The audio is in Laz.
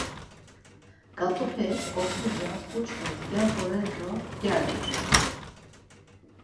Ǩat̆upek oxorcas ǩuçxes gaǩores do gyari ugores.